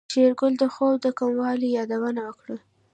شېرګل د خوب د کموالي يادونه وکړه.